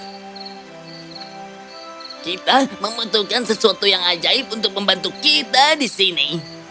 kita membutuhkan sesuatu yang ajaib untuk membantu kita di sini